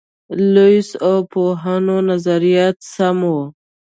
لویس او پوهانو نظریات سم وو.